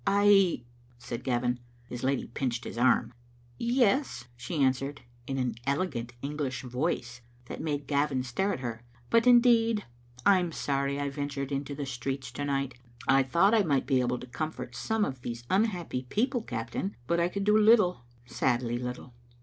"I ," said Gavin. His lady pinched his arm. "Yes," she answered, in an elegant English voice that made Gavin stare at her, " but, indeed, I am sorry I ventured into the streets to night. I thought I might be able to comfort some of these unhappy people, cap tain, but I could do little, sadly little."